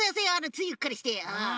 ついうっかりして。